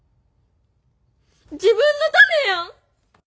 自分のためやん！